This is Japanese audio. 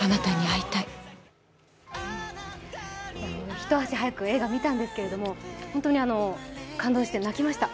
一足早く映画、見たんですけれども、ホントに感動して泣きました。